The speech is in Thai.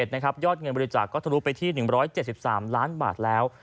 นะครับยอดเงินบริจาคก็ถูกลูกไปที่๑๗๓ล้านบาทแล้ว